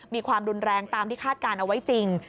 มีความรุนแรงตามที่คาดการณ์เอาไว้จริง